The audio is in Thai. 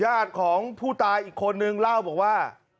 ญาติของผู้ตายอีกคนนึงเล่าบอกว่า